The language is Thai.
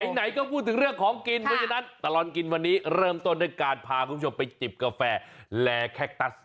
ไหนก็พูดถึงเรื่องของกินเพราะฉะนั้นตลอดกินวันนี้เริ่มต้นด้วยการพาคุณผู้ชมไปจิบกาแฟและแคคตัส